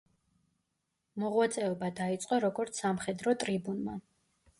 მოღვაწეობა დაიწყო როგორც სამხედრო ტრიბუნმა.